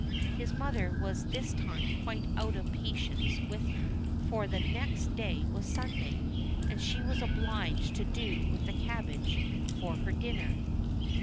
His mother was this time quite out of patience with him, for the next day was Sunday, and she was obliged to do with cabbage for her dinner.